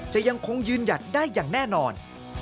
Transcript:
จะยังคงยืนหยัดได้อย่างแน่นอน